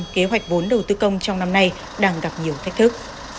kế hoạch vốn đầu tư công trong năm nay đang gặp nhiều thách thức